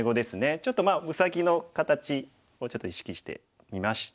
ちょっとまあうさぎの形をちょっと意識してみました。